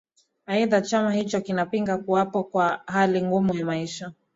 aidha chama hicho kinapinga kuwapo kwa hali ngumu ya maisha